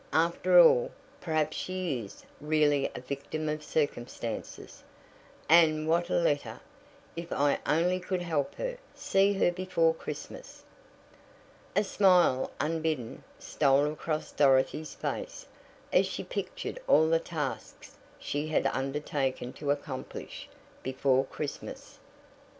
"After all, perhaps she is really a victim of circumstances. And what a letter! If I only could help her see her before Christmas." A smile, unbidden, stole across Dorothy's face as she pictured all the tasks she had undertaken to accomplish "before Christmas."